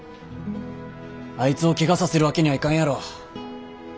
あいつをケガさせるわけにはいかんやろ。